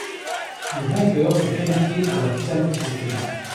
Les vainqueurs sont qualifiés pour la finale du championnat.